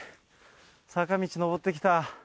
坂道上ってきた。